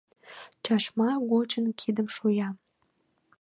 Чашма гочын кидым шуя.